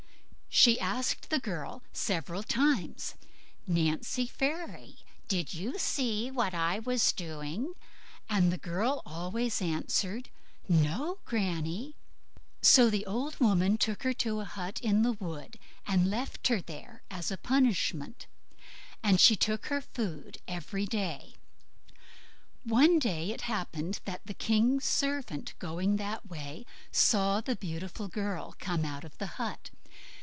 She asked the girl several times, "Nancy Fairy, did you see what I was doing?" and the girl always said, "No, Granny." So the old woman took her up to a hut in a wood, and left her there as a punishment; and she took her food every day. One day it happened that the king's servant, going that way, saw the beautiful girl come out of the hut.